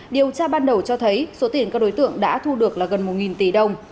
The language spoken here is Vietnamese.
điều tra ban đầu cho thấy số tiền các đối tượng đã thu được là gần một tỷ đồng